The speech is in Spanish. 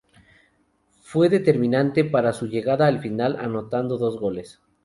Fue determinante para su llegada a la final, anotando dos goles.